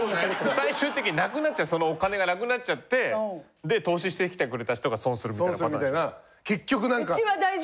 最終的になくなっちゃうそのお金がなくなっちゃってで投資してきてくれた人が損するみたいなパターンでしょ。